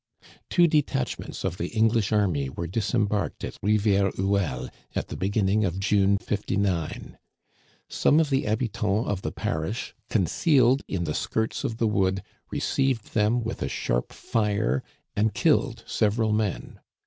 Two detachments of the English army were disem barked at Rivière Quelle, at the beginning of June, '79. Some of the habitants of the parish, concealed in the skirts of the wood, received them with a sharp fire and killed several men.